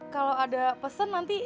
kalau ada pesen nanti